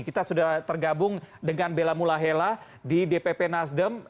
kita sudah tergabung dengan bella mulahela di dpp nasdem